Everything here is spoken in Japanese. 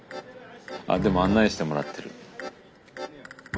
あっでも案内してもらってる。